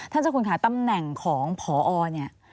เจ้าคุณค่ะตำแหน่งของพอเนี่ย